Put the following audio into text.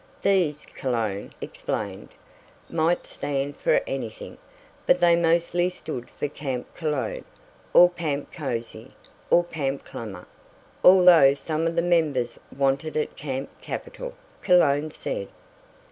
These, Cologne explained, might stand for anything, but they mostly stood for Camp Cologne, or Camp Cozy, or Camp Clamor, although some of the members wanted it Camp Capital, Cologne said.